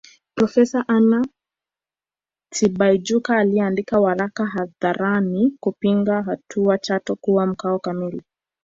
Profesa Anna Tibaijuka aliyeandika waraka hadharani kupinga hatua ya kuigeuza Chato kuwa mkoa kamili